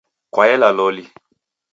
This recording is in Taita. Kwaela loli